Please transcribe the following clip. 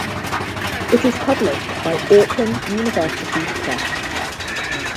It is published by Auckland University Press.